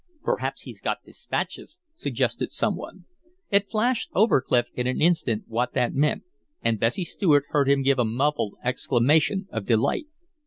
"Perhaps he's got dispatches!" suggested some one. It flashed over Clif in an instant what that meant, and Bessie Stuart heard him give a muffled exclamation of delight.